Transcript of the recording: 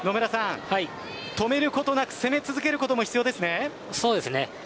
止めることなく攻め続けることも必要ですね。